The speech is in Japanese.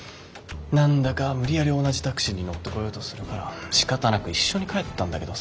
何だか無理やり同じタクシーに乗ってこようとするからしかたなく一緒に帰ったんだけどさ。